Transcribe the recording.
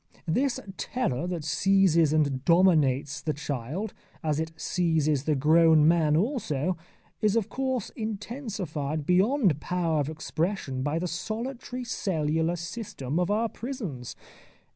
This terror that seizes and dominates the child, as it seizes the grown man also, is of course intensified beyond power of expression by the solitary cellular system of our prisons.